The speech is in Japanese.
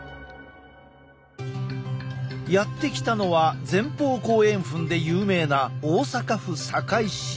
やって来たのは前方後円墳で有名な大阪府堺市。